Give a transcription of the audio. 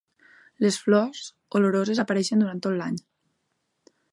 Les flors, oloroses, apareixen durant tot l'any.